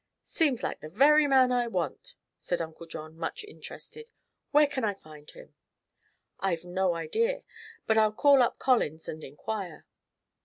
"Seems like the very man I want," said Uncle John, much interested. "Where can I find him?" "I've no idea. But I'll call up Collins and inquire."